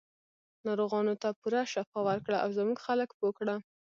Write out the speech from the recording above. ناروغانو ته پوره شفا ورکړه او زموږ خلک پوه کړه.